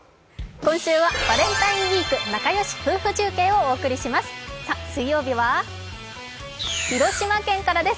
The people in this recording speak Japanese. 今週はバレンタインウイーク、仲良し夫婦中継です。